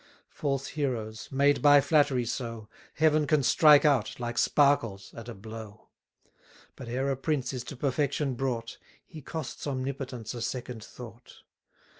False heroes, made by flattery so, Heaven can strike out, like sparkles, at a blow; But ere a prince is to perfection brought, He costs Omnipotence a second thought.